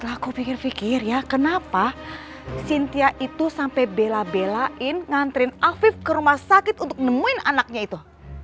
aku pikir pikir ya kenapa sintia itu sampai bela belain ngantrin afif ke rumah sakit untuk nemuin anaknya itu